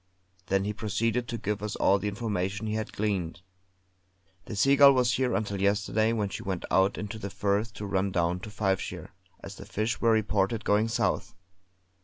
Then he proceeded to give us all the information he had gleaned. "The Seagull was here until yesterday when she went out into the Firth to run down to Fifeshire, as the fish were reported going south.